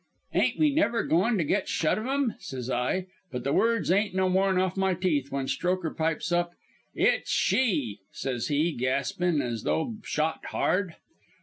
"'Ain't we never goin' to git shut of 'em?' says I; but the words ain't no more'n off my teeth when Strokher pipes up: "'It's she,' says he, gaspin' as though shot hard.